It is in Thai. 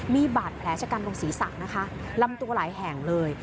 มีบาดแผลชะกันตรงศีรษะนะคะลำตัวหลายแห่งเลย